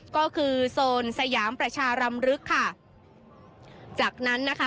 ก็คือโซนสยามประชารำลึกค่ะจากนั้นนะคะ